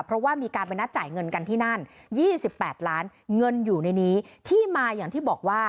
เพราะว่ามีการไปนัดจ่ายเงินกันที่นั่น๒๘ล้านเงินอยู่ในนี้